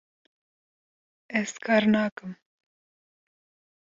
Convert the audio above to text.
Ez kar nakim